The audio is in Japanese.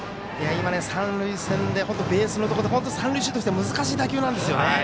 三塁線、ベースのところで本当、三塁手としては難しい打球なんですよね。